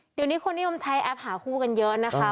เดี๋ยวนี้คนนิยมใช้แอปหาคู่กันเยอะนะคะ